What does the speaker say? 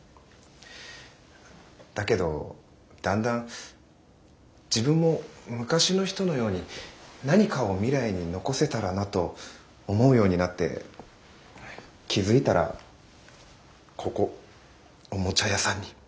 だけどだんだん自分も昔の人のように何かを未来に残せたらなと思うようになって気付いたらここおもちゃ屋さんに。